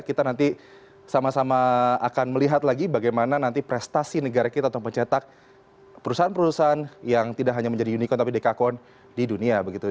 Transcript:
kita nanti sama sama akan melihat lagi bagaimana nanti prestasi negara kita untuk mencetak perusahaan perusahaan yang tidak hanya menjadi unicorn tapi dekakon di dunia begitu